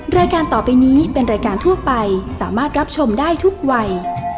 รายการต่อไปนี้เป็นรายการทั่วไปสามารถรับชมได้ทุกวัย